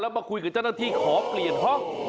แล้วมาคุยกับจราณที่ขอเปลี่ยนห้อง